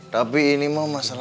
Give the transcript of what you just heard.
tapi ini mah masalahnya